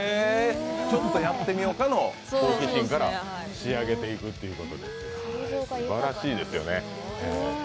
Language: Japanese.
ちょっとやってみようかの好奇心から仕上げていくという、すばらしいですよね。